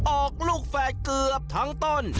ออกลูกแฝดเกือบทั้งต้น